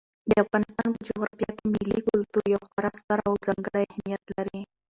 د افغانستان په جغرافیه کې ملي کلتور یو خورا ستر او ځانګړی اهمیت لري.